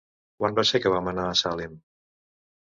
Quan va ser que vam anar a Salem?